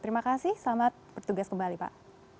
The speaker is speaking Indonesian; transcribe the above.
terima kasih selamat bertugas kembali pak